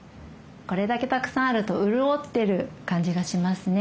これだけたくさんあると潤ってる感じがしますね。